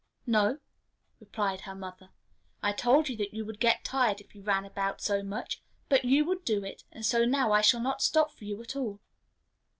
"No," replied her mother, "I told you that you would get tired if you ran about so much; but you would do it, and so now I shall not stop for you at all."